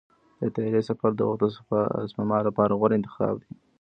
د طیارې سفر د وخت د سپما لپاره غوره انتخاب دی.